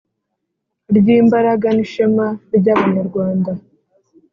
ry imbaraga n ishema ry Abanyarwanda